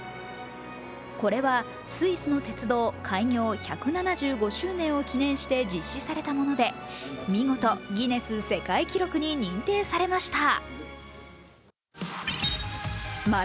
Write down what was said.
これは、スイスの鉄道開業１７５周年を記念して実施されたもので、見事、ギネス世界記録に認定されました。